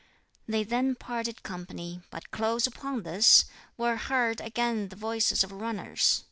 They then parted company, but close upon this, were heard again the voices of runners.